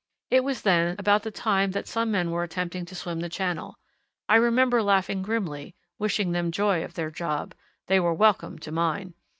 It was then about the time that some men were attempting to swim the Channel. I remember laughing grimly, wishing them joy of their job they were welcome to mine!